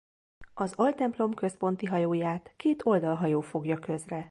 Az altemplom központi hajóját két oldalhajó fogja közre.